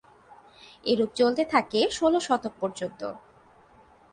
এরুপ চলতে থাকে ষোল শতক পর্যন্ত।